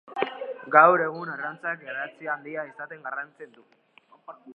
Gaur egun arrantzak garrantzia handi izaten jarraitzen du.